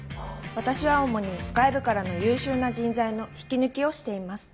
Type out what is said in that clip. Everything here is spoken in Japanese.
私は主に外部からの優秀な人材の引き抜きをしています。